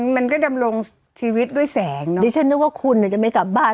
มันก็ดำรงชีวิตด้วยแสงเนาะดิฉันนึกว่าคุณจะไม่กลับบ้าน